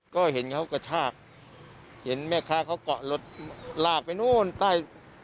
ก็เห็นเขากระชากเห็นแม่ค้าเขาเกาะรถลากไปนู่นใต้